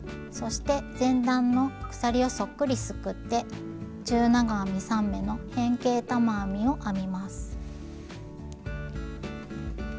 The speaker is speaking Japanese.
そして前段の鎖をそっくりすくって中長編み３目の変形玉編みを編みます。